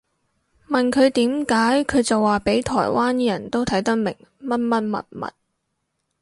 問佢點解佢就話畀台灣人都睇得明乜乜物物